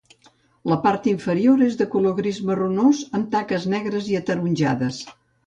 La part inferior és de color gris marronós amb taques negres i ataronjades.